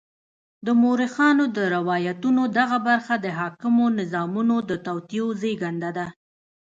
د مورخانو د روایتونو دغه برخه د حاکمو نظامونو د توطیو زېږنده ده.